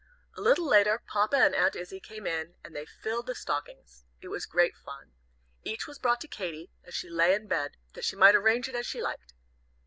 A little later Papa and Aunt Izzie came in, and they filled the stockings. It was great fun. Each was brought to Katy, as she lay in bed, that she might arrange it as she liked.